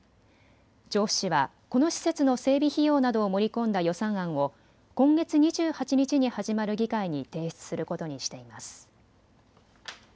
調布市はこの施設の整備費用などを盛り込んだ予算案を今月２８日に始まる議会に提出することにしています。